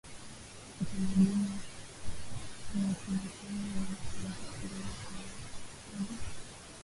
kitamaduni wa Kimasai huwa na sauti kutoka kwaya ya waimbaji huku kiongozi wa nyimbo